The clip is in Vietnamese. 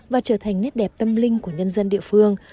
và trở thành nét đẹp tâm linh của nhân dân địa phương